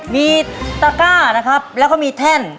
มีตะก้านะครับแล้วก็มีแท่น